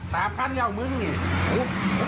ถ้าเป็นอย่างนึงโอ้จอดจะชื่อ